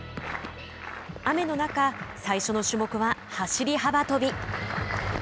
雨の中、最初の種目は走り幅跳び。